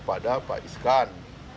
pada pak ikskan